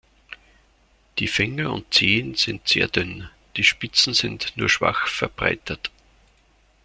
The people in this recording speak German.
Die Finger und Zehen sind sehr dünn, die Spitzen sind nur schwach verbreitert.